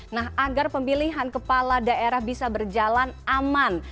nah agar pemilihan kepala daerah bisa berjalan aman